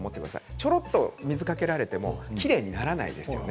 ちょっと水をかけられてもきれいにならないですよね。